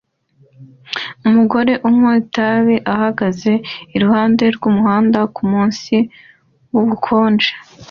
Umugore unywa itabi ahagaze iruhande rwumuhanda kumunsi wubukonje